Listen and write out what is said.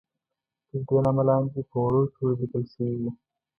تر دې نامه لاندې په وړو تورو لیکل شوي وو.